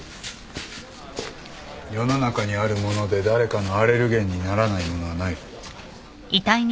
世の中にあるもので誰かのアレルゲンにならないものはない。